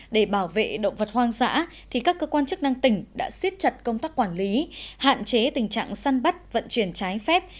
để bảo vệ động vật hoang dã các cơ quan chức năng tỉnh đã xiết chặt công tác quản lý hạn chế tình trạng săn bắt vận chuyển trái phép